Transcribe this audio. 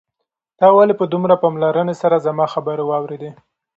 تا ولې په دومره پاملرنې سره زما خبرې واورېدې؟